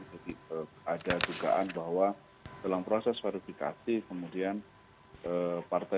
jadi ada dugaan bahwa dalam proses verifikasi kemudian partai